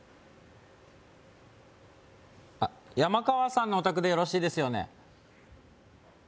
あっヤマカワさんのお宅でよろしいですよね？